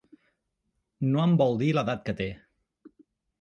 No em vol dir l'edat que té.